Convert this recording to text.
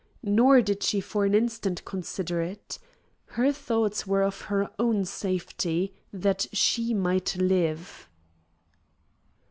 Nor did she for an instant consider it. Her thoughts were of her own safety; that she might live.